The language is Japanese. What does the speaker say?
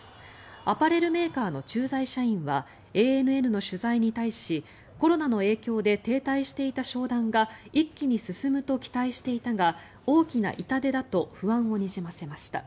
アパレルメーカーの駐在社員はＡＮＮの取材に対しコロナの影響で停滞していた商談が一気に進むと期待していたが大きな痛手だと不安をにじませました。